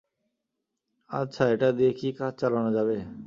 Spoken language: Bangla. আচ্ছা, এটা দিয়ে কি কাজ চালানো যাবে?